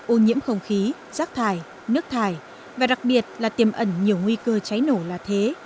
ô nhiễm không khí rác thải nước thải và đặc biệt là tiềm ẩn nhiều nguy cơ cháy nổ là thế